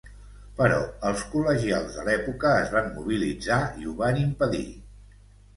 Però els col·legials de l’època es van mobilitzar i ho van impedir.